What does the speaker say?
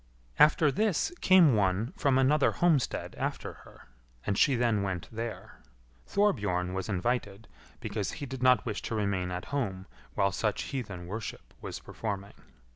After this came one from another homestead after her, and she then went there. Thorbjorn was invited, because he did not wish to remain at home while such heathen worship was performing.